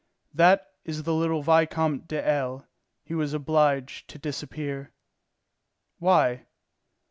"That is the little Vicomte de L. He was obliged to disappear." "Why?"